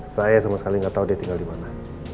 saya sama sekali gak tahu dia tinggal dimana